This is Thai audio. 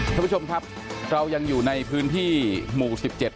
ท่านผู้ชมครับเรายังอยู่ในพื้นที่หมู่๑๗